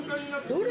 どれ？